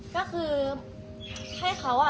ก็คือให้เขา